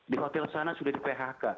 di hotel sana sudah di phk